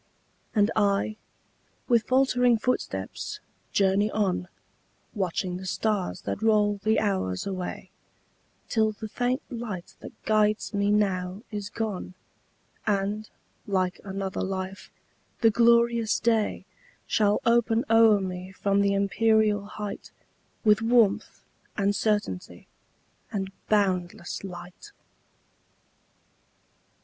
And I, with faltering footsteps, journey on, Watching the stars that roll the hours away, Till the faint light that guides me now is gone, And, like another life, the glorious day Shall open o'er me from the empyreal height, With warmth, and certainty, and boundless light.